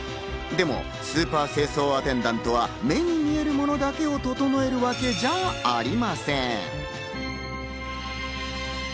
でもスーパー清掃アテンダントは目に見えるものだけを整えるだけじゃありません。